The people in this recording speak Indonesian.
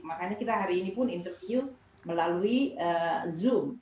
makanya kita hari ini pun interview melalui zoom